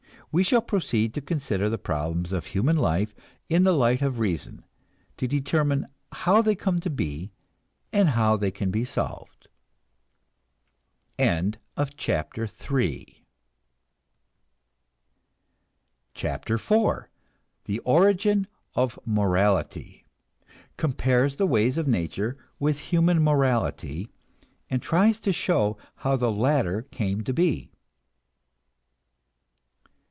We shall proceed to consider the problems of human life in the light of reason, to determine how they come to be, and how they can be solved. CHAPTER IV THE ORIGIN OF MORALITY (Compares the ways of nature with human morality, and tries to show how the latter came to be.)